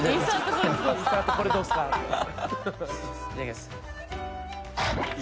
いただきます。